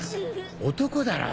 男だろ